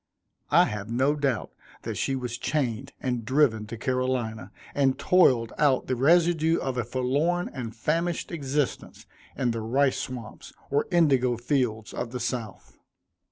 I have no doubt that she was chained and driven to Carolina, and toiled out the residue of a forlorn and famished existence in the rice swamps, or indigo fields of the South.